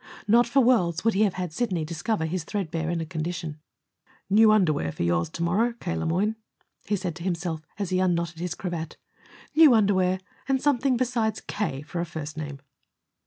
Not for worlds would he have had Sidney discover his threadbare inner condition. "New underwear for yours tomorrow, K. Le Moyne," he said to himself, as he unknotted his cravat. "New underwear, and something besides K. for a first name."